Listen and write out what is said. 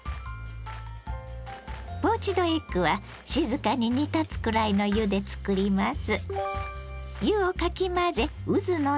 ポーチドエッグは静かに煮立つくらいの湯で作ります。